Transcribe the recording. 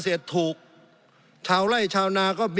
สงบจนจะตายหมดแล้วครับ